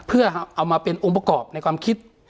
เพื่อเอามาเป็นองค์ประกอบในความคิด